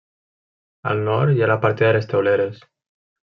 Al nord hi ha la partida de les Teuleres.